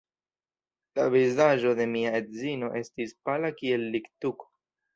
La vizaĝo de mia edzino estis pala kiel littuko.